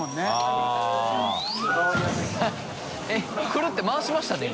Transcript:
くるって回しましたね